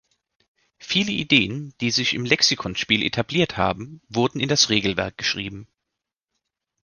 Viele Ideen, die sich im "Lexikon"-Spiel etabliert haben, wurden in das Regelwerk geschrieben.